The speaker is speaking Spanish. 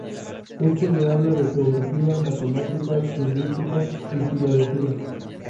Éste le habla de geografía, matemáticas, lingüística y filología.